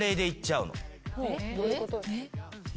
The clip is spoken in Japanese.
どういうこと？